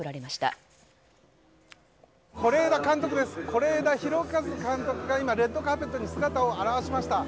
是枝裕和監督が今、レッドカーペットに姿を現しました。